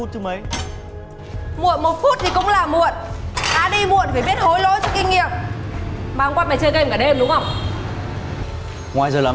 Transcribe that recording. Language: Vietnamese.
trong mỗi muộn một mươi năm phút thứ mấy